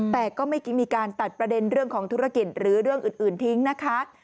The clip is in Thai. แต่ก็ไม่มีการตัดประเด็นเรื่องของธุรกิจหรือเรื่องอื่นทิ้งนะคะ